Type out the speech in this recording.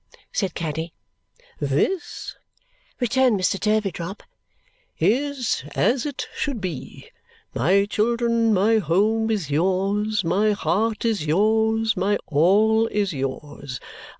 said Caddy. "This," returned Mr. Turveydrop, "is as it should be. My children, my home is yours, my heart is yours, my all is yours.